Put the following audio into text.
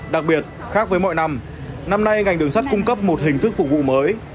đặc biệt khác với mọi năm năm nay ngành đường sắt cung cấp một hình thức phục vụ mới